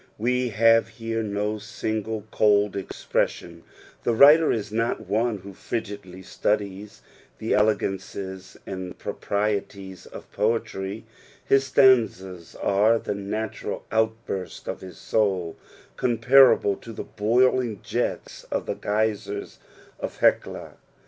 We have here no single cold expression ; the writer is not one who frigidly studies the elegancies and proprieties of poetry, his stanzas am the natural outburst of his soul, compnrable to the boiling jets of the K^ysers of Hecla.